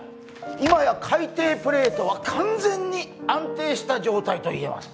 今や海底プレートは完全に安定した状態と言えます